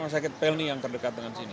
rumah sakit pelni yang terdekat dengan sini